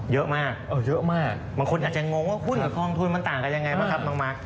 เยอะมากบางคนอาจจะงงว่าหุ้นกับกองทุนมันต่างกันยังไงบ้างครับบางมาก